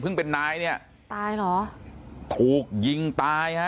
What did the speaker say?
เป็นนายเนี่ยตายเหรอถูกยิงตายฮะ